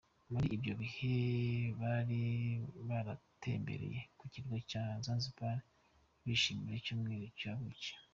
Muri ibyo bihe bari baratembereye ku kirwa cya Zanzibar bishimira Icyumweru cya buki.